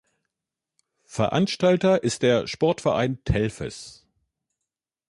Veranstalter ist der Sportverein Telfes.